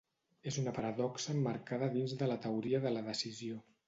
És una paradoxa emmarcada dins de la teoria de la decisió.